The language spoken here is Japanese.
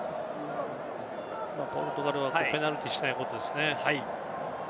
ポルトガルはペナルティーをしないことですね。